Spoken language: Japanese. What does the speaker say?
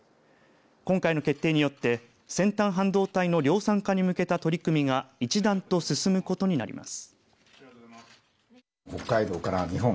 今回の決定によって先端半導体の量産化に向けた取り組みが一段と進むことになります。